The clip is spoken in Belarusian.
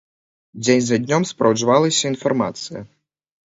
Дзень за днём спраўджвалася інфармацыя.